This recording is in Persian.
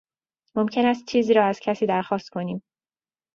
ممکن است چیزی را از کسی درخواست کنیم